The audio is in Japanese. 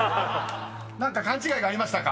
［何か勘違いがありましたか？